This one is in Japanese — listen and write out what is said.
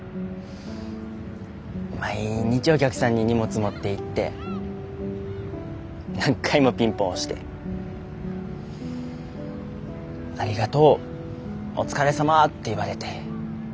毎日お客さんに荷物持っていって何回もピンポン押して「ありがとうお疲れさま」って言われて。